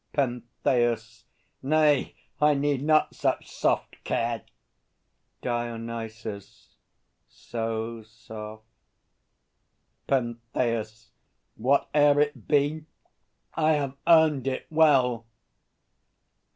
PENTHEUS. Nay; I need not such soft care! DIONYSUS. So soft? PENTHEUS. Whate'er it be, I have earned it well!